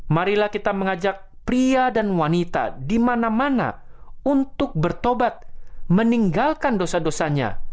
marilah kita mengajak pria dan wanita di mana mana untuk bertobat meninggalkan dosa dosanya